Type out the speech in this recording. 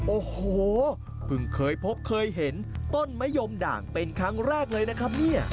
โอ้โหเพิ่งเคยพบเคยเห็นต้นมะยมด่างเป็นครั้งแรกเลยนะครับเนี่ย